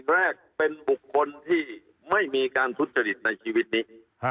แรกเป็นบุคคลที่ไม่มีการทุจริตในชีวิตนี้